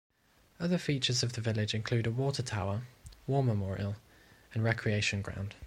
Other features of the village include a water tower, war memorial and recreation ground.